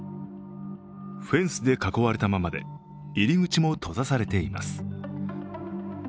フェンスで囲われたままで、入り口も閉ざされています。